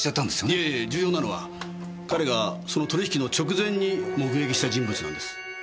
いえいえ重要なのは彼がその取引の直前に目撃した人物なんです。